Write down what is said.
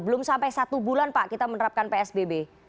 belum sampai satu bulan pak kita menerapkan psbb